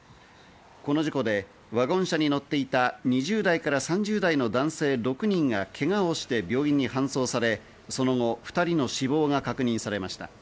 この事故でワゴン車に乗っていた２０代から３０代の男性６人がけがをして病院に搬送され、その後、２人の死亡が確認されました。